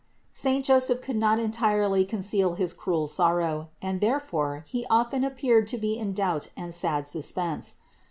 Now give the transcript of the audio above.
383. Saint Joseph could not entirely conceal his cruel sorrow, and therefore he often appeared to be in doubt and sad suspense.